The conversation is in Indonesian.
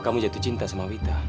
kamu jatuh cinta sama wita